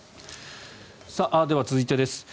では、続いてです。